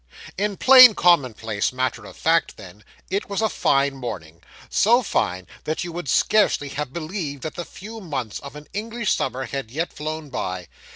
In plain commonplace matter of fact, then, it was a fine morning so fine that you would scarcely have believed that the few months of an English summer had yet flown by.